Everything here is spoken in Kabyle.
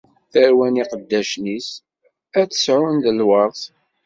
Tarwa n yiqeddacen-is ad tt-sɛun d lweṛt.